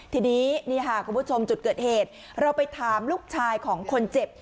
ทีนี้นี่ค่ะคุณผู้ชมจุดเกิดเหตุเราไปถามลูกชายของคนเจ็บ